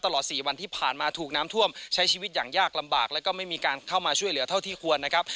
ตลอด๔วันที่ผ่านมาถูกน้ำท่วมใช้ชีวิตอย่างยากลำบากแล้วก็ไม่มีการเข้ามาช่วยเหลือเท่าที่ควรนะครับ